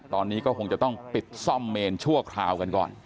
ตอนนี้ก็คงจะต้องปิดซ่อมเมนชั่วคราวกันก่อน